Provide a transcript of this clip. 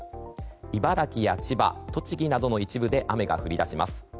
茨城や千葉、栃木などの一部で雨が降り出します。